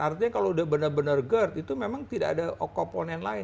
artinya kalau udah benar benar gerd itu memang tidak ada komponen lain